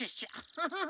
フフフ。